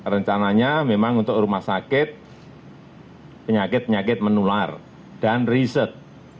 rencananya memang untuk rumah sakit penyakit penyakit menular dan riset